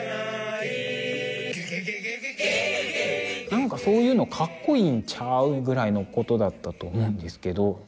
なんかそういうのカッコイイんちゃう？ぐらいのことだったと思うんですけど。